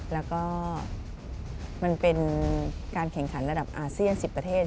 แล้วก็มันเป็นการแข่งขันระดับอาเซียน๑๐ประเทศ